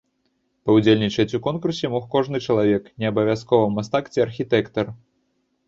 Паўдзельнічаць у конкурсе мог кожны чалавек, не абавязкова мастак ці архітэктар.